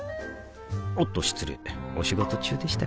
おっと失礼お仕事中でしたか